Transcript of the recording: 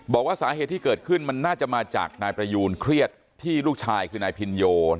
บอกว่าสาเหตุที่เกิดขึ้นมันน่าจะมาจากนายประยูนเครียดที่ลูกชายคือนายพินโย